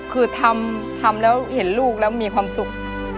คือทำแล้วเห็นลูกแล้วมีความสุข